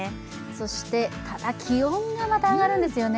そして、ただ気温が上がるんですよね。